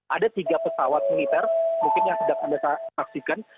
ada tiga pesawat militer mungkin yang sedang anda saksikan